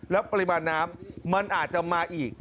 แล้วปริมาณน้ำมันอาจจะมาอีก